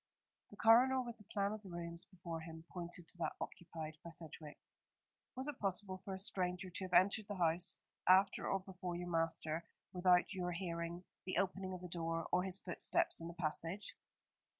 The coroner, with the plan of the rooms before him, pointed to that occupied by Sedgewick. "Was it possible for a stranger to have entered the house after or before your master without your hearing the opening of the door or his footsteps in the passage?"